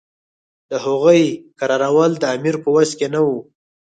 د هغوی کرارول د امیر په وس نه وو.